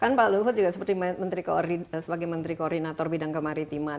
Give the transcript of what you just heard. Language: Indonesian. kan pak luhut juga sebagai menteri koordinator bidang kemaritiman